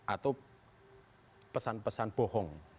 atau pesan pesan bohong